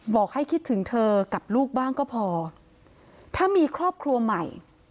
บอกให้คิดถึงเธอกับลูกบ้างก็พอถ้ามีครอบครัวใหม่